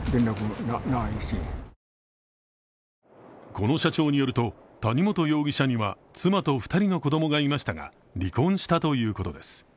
この社長によると、谷本容疑者は妻と２人の子供がいましたが、離婚したということです。